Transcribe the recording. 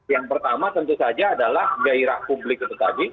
yang pertama tentu saja adalah gairah publik itu tadi